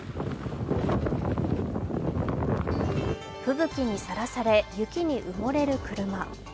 吹雪にさらされ、雪に埋もれる車。